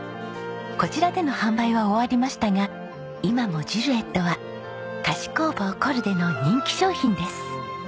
こちらでの販売は終わりましたが今もジルエットは菓子工房コルデの人気商品です。